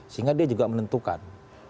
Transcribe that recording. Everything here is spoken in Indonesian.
sehingga dia juga menentukan